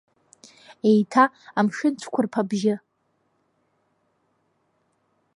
Еиҭа амшын цәқәырԥа абжьы.